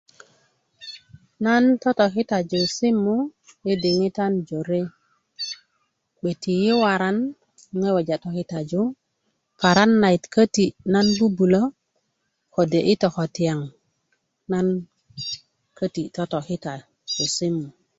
nan totokitaju simu yi diŋitan jore gbeti yi waran nan weweja tokitaju simu paran nayit köti nan bubulö totokitaju köti kode yi tokotayaŋ köti totokitaju̧ simu